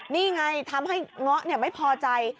นี่ไงทำให้เงาะไม่พอใจ